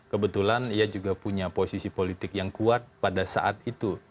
kebetulan ia juga punya posisi politik yang kuat pada saat itu